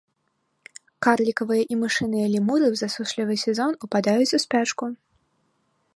Карлікавыя і мышыныя лемуры ў засушлівы сезон упадаюць у спячку.